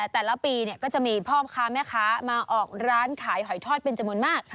แต่ละปีก็จะมีพ่อค้าแม่ค้ามาออกร้านขายหอยทอดเป็นจำนวนมาก